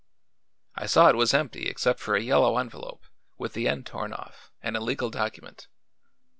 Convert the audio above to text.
I saw it was empty except for a yellow envelope with the end torn off and a legal document.